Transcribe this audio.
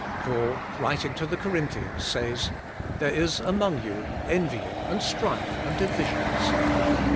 Paul writing to the Corinthi ans says, "There is among you envying, and strife, and divisions."